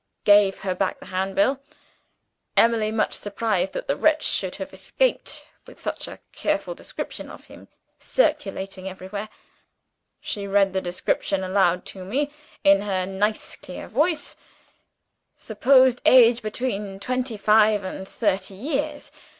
Gave her back the Handbill. Emily much surprised that the wretch should have escaped, with such a careful description of him circulated everywhere. She read the description aloud to me, in her nice clear voice: 'Supposed age between twenty five and thirty years.